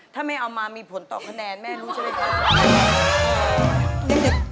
ถ้าไม่เอามามีผลต่อคะแนนแม่รู้ใช่ไหมคะ